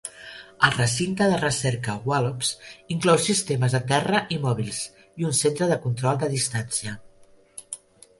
El Recinte de Recerca Wallops inclou sistemes de terra i mòbils, i un centre de control de distància.